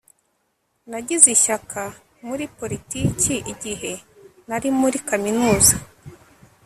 nagize ishyaka muri politiki igihe nari muri kaminuza